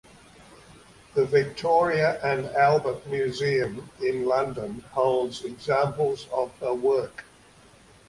The Victoria and Albert Museum in London holds examples of her work.